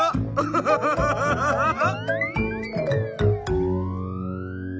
ハハハハハ！